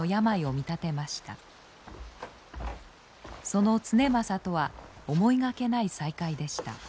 その経正とは思いがけない再会でした。